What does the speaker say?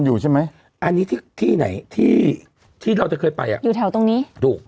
อยู่แถวตรงนี้